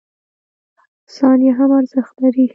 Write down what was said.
• ثانیه هم ارزښت لري.